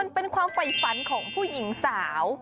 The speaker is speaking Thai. มันเป็นความฝ่ายฝันของผู้หญิงสาว